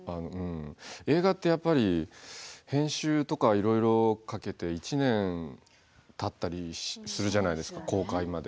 映画って、やっぱり編集とかいろいろかけて１年たったりするじゃないですか公開まで。